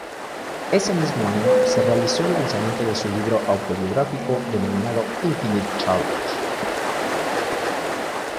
Ese mismo año se realizó el lanzamiento de su libro autobiográfico denominado "Infinite Challenge".